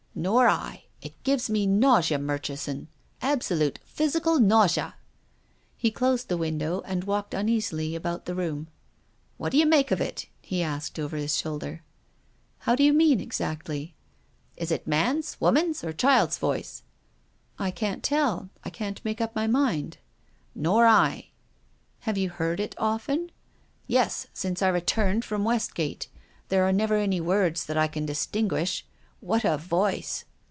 " Nor I, It gives me nausea, Murchison, ab solute physical nausea." He closed the window and walked uneasily about the room. "What d'you make of it?" he asked, over his shoulder. " How d'you mean exactly ?"" Is it man's, woman's, or child's voice? "" I can't tell, I can't make up my mind." "Nor I." " Have you heard it often ?"" Yes, since I returned from Westgate. There are never any words that I can distinguish. What a voice